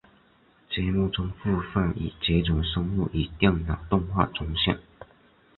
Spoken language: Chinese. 节目中部分已绝种生物以电脑动画呈现。